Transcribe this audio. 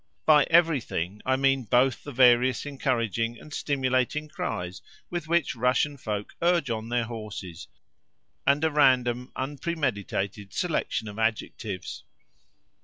By "everything" I mean both the various encouraging and stimulating cries with which Russian folk urge on their horses, and a random, unpremeditated selection of adjectives.